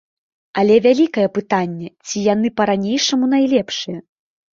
Але вялікае пытанне, ці яны па-ранейшаму найлепшыя.